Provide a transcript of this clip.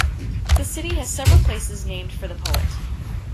The city has several places named for the poet.